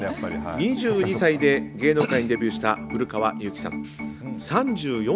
２２歳で芸能界デビューした古川雄輝さん。